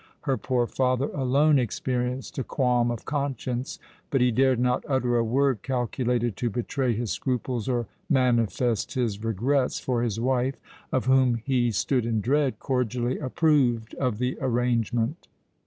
Her poor father alone experienced a qualm of conscience:—but he dared not utter a word calculated to betray his scruples or manifest his regrets—for his wife, of whom he stood in dread, cordially approved of the arrangement.